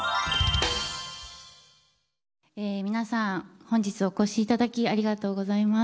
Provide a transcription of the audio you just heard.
皆さん、本日お越しいただきありがとうございます。